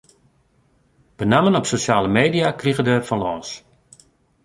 Benammen op sosjale media kriget er der fan lâns.